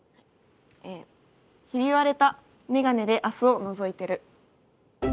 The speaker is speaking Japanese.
「ひび割れたメガネで明日をのぞいてる」。